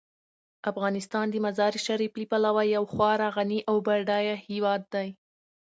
افغانستان د مزارشریف له پلوه یو خورا غني او بډایه هیواد دی.